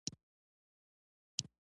د عسکر په وينو سرې شونډې وخوځېدې: اوبه!